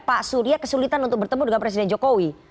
pak surya kesulitan untuk bertemu dengan presiden jokowi